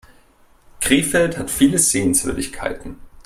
Krefeld hat viele Sehenswürdigkeiten